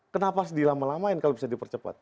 kenapa harus dilama lamain kalau bisa dipercepat